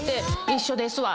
「一緒ですわ」